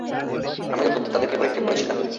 আমি তো তাদেরকে পরীক্ষা করেছিলাম।